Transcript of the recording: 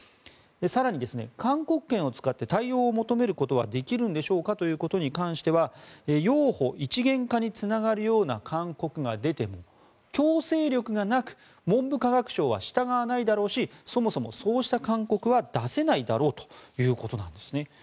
更に、勧告権を使って対応を求めることはできるんでしょうかということに関しては幼保一元化につながるような勧告が出ても強制力がなく文部科学省は従わないだろうしそもそも、そうした勧告は出せないだろうということです。